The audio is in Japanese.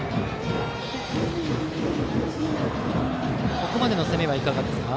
ここまでの攻めはいかがですか？